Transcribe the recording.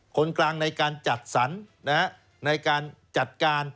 คนกลางในการจัดสรรในการจัดการ